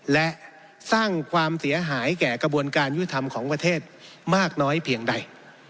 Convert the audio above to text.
และสร้างความเสียหายแก่กระบวนการยุทธรรมของประเทศมากน้อยเพียงใด